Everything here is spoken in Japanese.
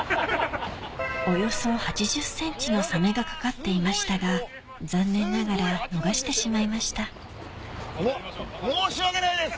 およそ８０ｃｍのサメがかかっていましたが残念ながら逃してしまいました申し訳ないです！